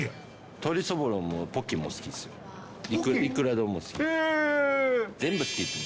鶏そぼろも、ポキも好きですよ。